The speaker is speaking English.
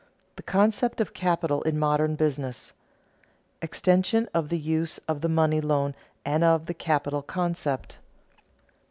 THE CONCEPT OF CAPITAL IN MODERN BUSINESS [Sidenote: Extension of the use of the money loan and of the capital concept] 1.